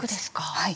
はい。